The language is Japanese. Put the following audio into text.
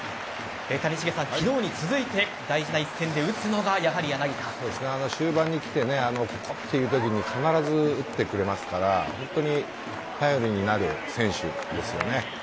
谷繁さん、昨日に続いて大事な一戦で打つのが終盤にきて、ここというときに必ず打ってくれますから本当に頼りになる選手ですよね。